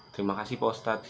terima kasih pak ustadz